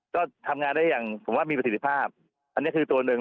ก็ทำงานได้อย่างผมว่ามีประสิทธิภาพอันนี้คือตัวหนึ่ง